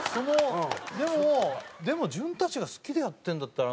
でも自分たちが好きでやってるんだったら。